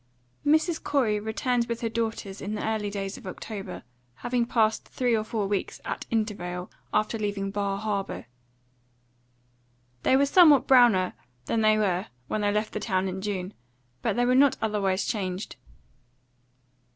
XII. MRS. COREY returned with her daughters in the early days of October, having passed three or four weeks at Intervale after leaving Bar Harbour. They were somewhat browner than they were when they left town in June, but they were not otherwise changed.